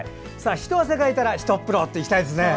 一汗かいたらひとっ風呂といきたいですね。